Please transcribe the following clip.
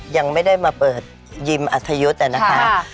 ยังไม่ได้มาเปิดยิมอัธยุทธ์นะคะ